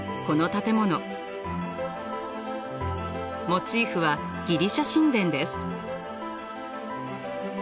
モチーフはギリシャ神殿です。